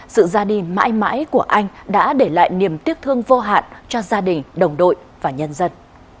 sự ra đi mãi mãi của anh đã để lại niềm tiếc thương vô hạn cho gia đình đồng đội và nhân dân